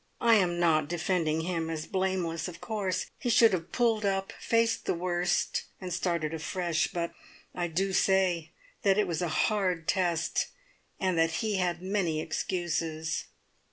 I am not defending him as blameless; of course, he should have pulled up, faced the worst, and started afresh; but I do say that it was a hard test, and that he had many excuses."